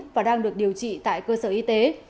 và đang được điều trị tại cơ sở y tế